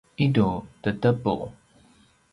idu tedepu